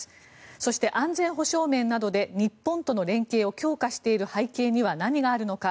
そして、安全保障面などで日本との連携を強化している背景には何があるのか。